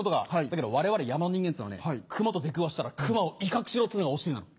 だけど我々山の人間っつうのはね熊と出くわしたら熊を威嚇しろっつうのが教えなの。